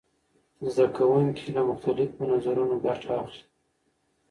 زده کوونکي له مختلفو نظرونو ګټه اخلي.